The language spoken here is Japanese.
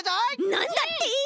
なんだって！